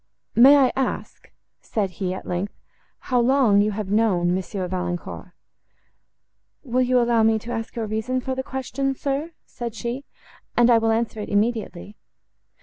"May I ask," said he, at length, "how long you have known Monsieur Valancourt?"—"Will you allow me to ask your reason for the question, sir?" said she; "and I will answer it immediately."